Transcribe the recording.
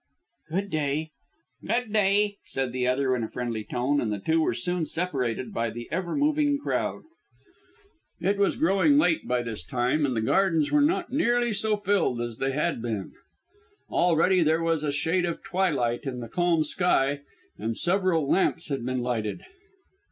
"Good day." "Good day," said the other in a friendly tone, and the two were soon separated by the ever moving crowd. It was growing late by this time and the gardens were not nearly so filled as they had been. Already there was a shade of twilight in the calm sky and several lamps had been lighted.